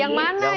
yang keempat eja